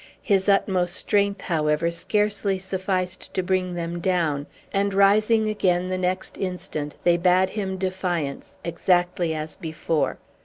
His utmost strength, however, scarcely sufficed to bring them down; and rising again, the next instant, they bade him defiance, exactly as before.